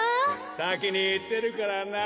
さきにいってるからな。